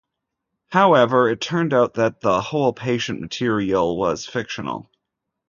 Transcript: However, it turned out that the whole patient material was fictional.